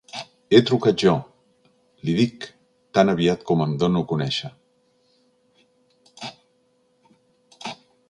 He trucat jo —li dic, tan aviat com em dono a conèixer.